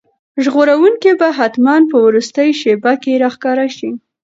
ژغورونکی به حتماً په وروستۍ شېبه کې راښکاره شي.